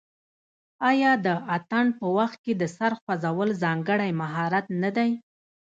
آیا د اتن په وخت کې د سر خوځول ځانګړی مهارت نه دی؟